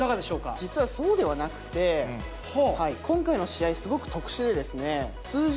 実はそうではなくて、今回の試合、すごく特殊で、通常、